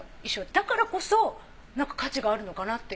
だからこそ価値があるのかなって。